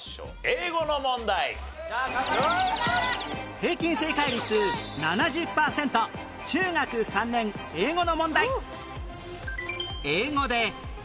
平均正解率７０パーセント中学３年英語の問題